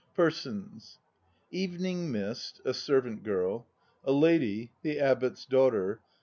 PERSONS EVENING MIST, a servant girl. A LADY, the Abbot's daughter.